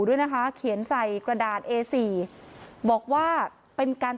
ด้วยนะคะเขียนใส่กระดาษเอสี่บอกว่าเป็นการ